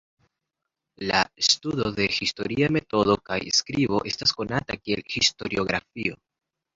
La studo de historia metodo kaj skribo estas konata kiel historiografio.